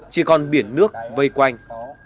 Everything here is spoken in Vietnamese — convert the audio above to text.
chỉ còn biển nước vây quanh